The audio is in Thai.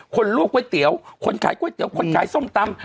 คนรวบก๋วยเตี๋ยวคนขายก๋วยส้มตำ